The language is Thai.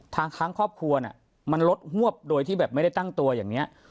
ทั้งครอบครัวมันลดหวบโดยที่แบบไม่ได้ตั้งตัวอย่างนี้